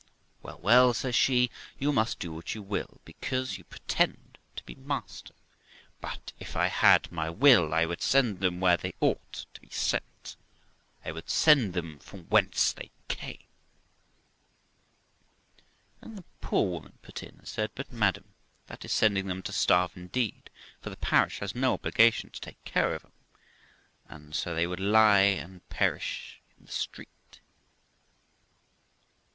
Well, well', says she, 'you must do what you will, because you pretend to be master; but if I had my will I would send them where they ought to be sent: I would send them from whence they came.' Then the poor woman put in, and said, 'But, madam, that is sending them to starve indeed, for the parish has no obligation to take care of 'em, and so they will lie and perish in the street.'